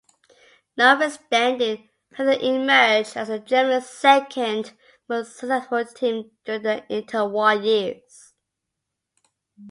Notwithstanding, Hertha emerged as the Germany's second most successful team during the inter-war years.